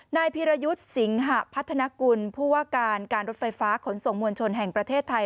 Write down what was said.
นายพีรยุทธ์สิงหะพัฒนากุลผู้ว่าการการรถไฟฟ้าขนส่งมวลชนแห่งประเทศไทย